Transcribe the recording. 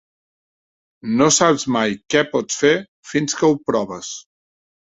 No saps mai què pots fer fins que ho proves.